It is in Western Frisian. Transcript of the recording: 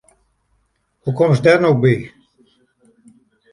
Hoe komst dêr no by?